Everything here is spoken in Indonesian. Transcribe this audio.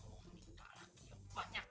abang mau minta lagi yang banyak